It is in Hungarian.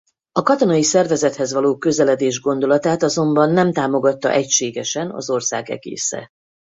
A katonai szervezethez való közeledés gondolatát azonban nem támogatta egységesen az ország egésze.